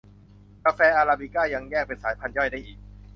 กาแฟอราบิก้ายังแยกเป็นสายพันธุ์ย่อยได้อีก